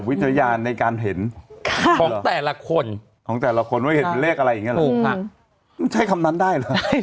เอาเพราะแต่ละคนเราบอกไปไม่ได้